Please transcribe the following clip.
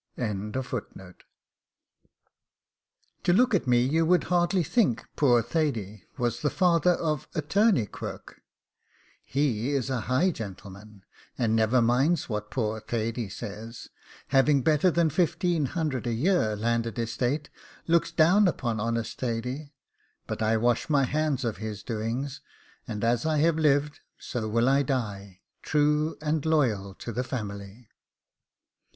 To look at me, you would hardly think 'Poor Thady' was the father of Attorney Quirk; he is a high gentleman, and never minds what poor Thady says, and having better than fifteen hundred a year, landed estate, looks down upon honest Thady; but I wash my hands of his doings, and as I have lived so will I die, true and loyal to the family.